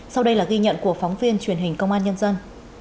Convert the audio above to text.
sau đây là ghi nhận của phóng viên truyền hình công an nhân dân